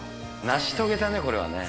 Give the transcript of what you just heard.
成し遂げたね、これはね。